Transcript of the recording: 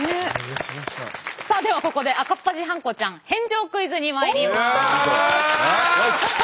さあではここで赤っ恥ハンコちゃん返上クイズにまいります。